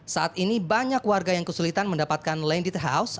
saat ini banyak warga yang kesulitan mendapatkan landed house